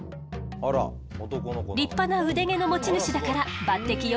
立派な腕毛の持ち主だから抜てきよ。